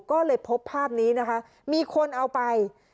ก็เลยพบภาพนี้นะคะมีคนเอาไป